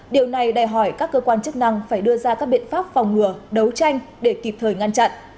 điều này đòi hỏi các cơ quan chức năng phải đưa ra các biện pháp phòng ngừa đấu tranh để kịp thời ngăn chặn